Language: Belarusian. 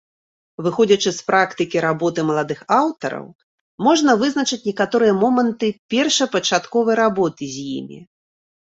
Выходзячы з практыкі работы маладых аўтараў, можна вызначыць некаторыя моманты першапачатковай работы з імі.